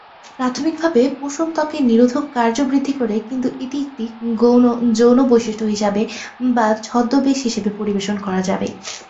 প্রাথমিকভাবে, পশম ত্বকের নিরোধক কার্য বৃদ্ধি করে কিন্তু এটি একটি গৌণ যৌন বৈশিষ্ট্য হিসাবে বা ছদ্মবেশ হিসেবে পরিবেশন করা যাবে।